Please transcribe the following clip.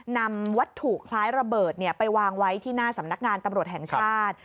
นำวัตถุคล้ายระเบิดไปวางไว้ที่หน้าสำนักงานตำรวจแห่งชาติ